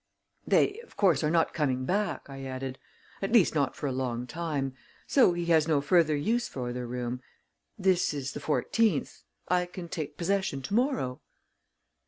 "They, of course, are not coming back," I added; "at least, not for a long time; so he has no further use for the room. This is the fourteenth I can take possession to morrow."